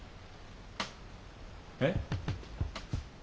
えっ？